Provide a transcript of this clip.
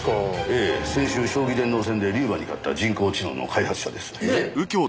ええ先週将棋電脳戦で龍馬に勝った人工知能の開発者です。ね！